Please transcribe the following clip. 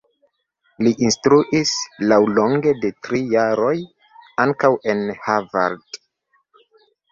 Li instruis, laŭlonge de tri jaroj, ankaŭ en Harvard.